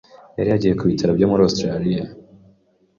yari yagiye ku bitaro byo muri Australia